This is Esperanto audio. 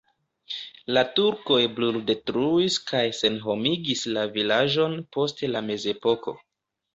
La turkoj bruldetruis kaj senhomigis la vilaĝon post la mezepoko.